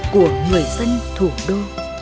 của người dân thủ đô